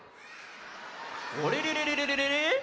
あれれれれれれれれ？